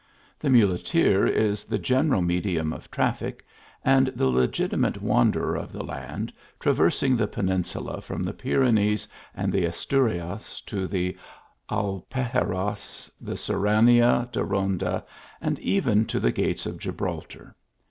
The muleteer is the general medium of traffic, and the legitimate wanderer of the land, traversing the Peninsula from the Pyrenees and the Asturias, to the Alpuxarras, the Serrania de Ronda, and even to the gates of Gibraltar.